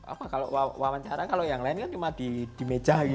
apa kalau wawancara kalau yang lain kan cuma di meja